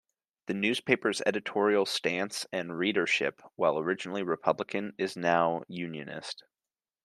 The newspaper's editorial stance and readership, while originally republican, is now unionist.